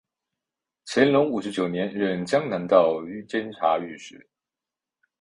乾隆五十九年任江南道监察御史。